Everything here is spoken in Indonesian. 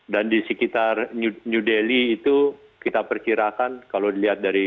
dan di sekitar new delhi itu kita perkirakan kalau dilihat dari